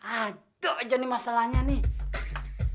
aduh aja nih masalahnya nih